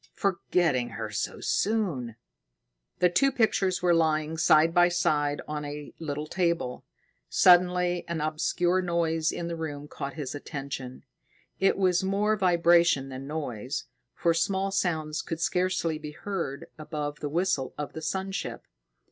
"Forgetting her so soon!" The two pictures were lying side by side on a little table. Suddenly an obscure noise in the room caught his attention. It was more vibration than noise, for small sounds could scarcely be heard above the whistle of the sun ship.